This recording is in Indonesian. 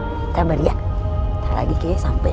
kita beriak ntar lagi kayanya sampe